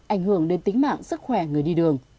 ảnh hưởng đến tính mạng sức khỏe người đi đường